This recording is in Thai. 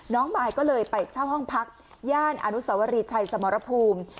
มายก็เลยไปเช่าห้องพักย่านอนุสวรีชัยสมรภูมิ